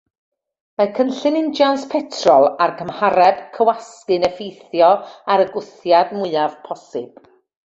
Mae cynllun injans petrol a'r gymhareb cywasgu'n effeithio ar y gwthiad mwyaf posibl.